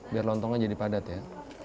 biar lontongnya jadi padat ya